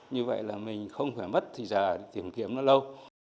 như vậy là mình không phải mất thì giờ đi tìm kiếm nó lâu